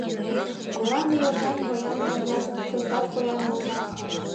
Молан ме ожнат поян ыльна, кызытат поян улына?